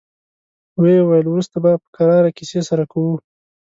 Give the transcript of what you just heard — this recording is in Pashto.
ويې ويل: وروسته به په کراره کيسې سره کوو.